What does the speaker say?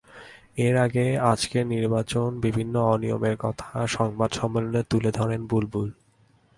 এর আগে আজকের নির্বাচনের বিভিন্ন অনিয়মের কথা সংবাদ সম্মেলনে তুলে ধরেন বুলবুল।